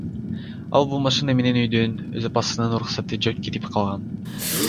Ал бул машина менен үйдөн өз апасынын уруксаты жок кетип калган.